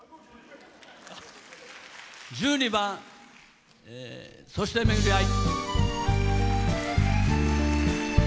１２番「そしてめぐり逢い」。